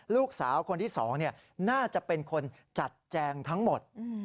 ลูกสาวคนที่๒น่าจะเป็นคนจัดแจงทั้งหมด